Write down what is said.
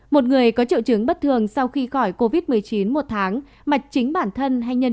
một người có triệu chứng bất thường sau khi khỏi covid một mươi chín một tháng mà chính bản thân hay nhân